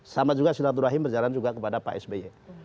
sama juga silaturahim berjalan juga kepada pak sby